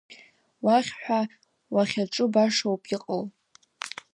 Уахь ҳәа уахьаҿу башоуп иҟоу.